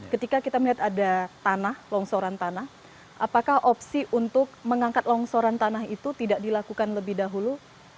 ketika kita melihat ada tanah longsoran tanah apakah opsi untuk mengangkat longsoran tanah itu tidak dilakukan lebih dahulu